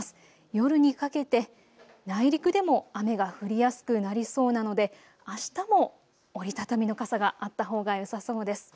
夜にかけて内陸でも雨が降りやすくなりそうなので、あしたも折り畳みの傘があったほうがよさそうです。